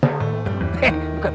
heh bukan bukan